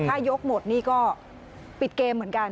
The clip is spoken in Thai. ถ้ายกหมดนี่ก็ปิดเกมเหมือนกัน